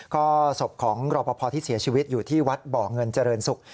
ก็ศพของรอปภที่เสียชีวิตอยู่ที่วัดบ่อเงินเจริญศุกร์